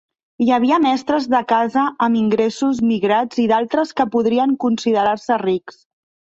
Hi havia mestres de casa amb ingressos migrats i d'altres que podrien considerar-se rics.